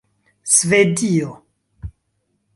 svedio